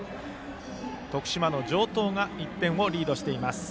徳島の城東が１点リードしています。